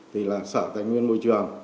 thì là sở tài nguyên môi trường